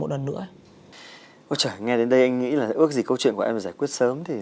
đau khổ nhất sau này là người gắn chịu sẽ là con mình